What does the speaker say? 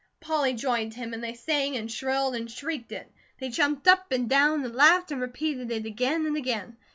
Polly joined him, and they sang and shrilled, and shrieked it; they jumped up and down and laughed and repeated it again and again.